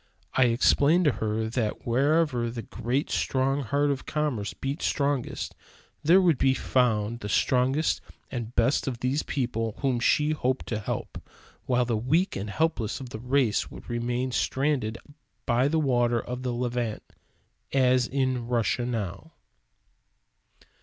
I explained to her that wherever the great strong heart of commerce beat strongest, there would be found the strongest and best of these people whom she hoped to help; while the weak and helpless of that race would remain stranded by the waters of the Levant, as in Russia now.